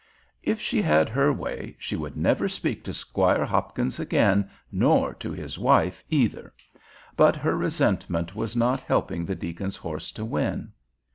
If she had her way she never would, speak to Squire Hopkins again, nor to his wife, either. But her resentment was not helping the deacon's horse to win.